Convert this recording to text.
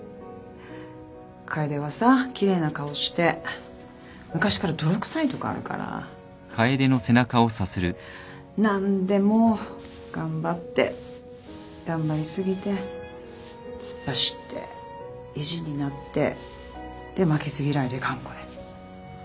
楓はさ奇麗な顔して昔から泥くさいとこあるから何でも頑張って頑張り過ぎて突っ走って意地になってで負けず嫌いで頑固で。